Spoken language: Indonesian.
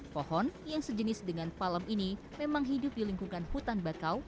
pohon yang sejenis dengan palem ini memang hidup di lingkungan hutan bakau